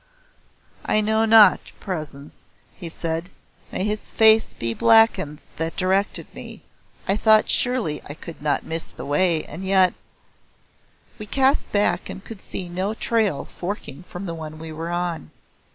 "I know not, Presence," he said. "May his face be blackened that directed me. I thought surely I could not miss the way, and yet " We cast back and could see no trail forking from the one we were on.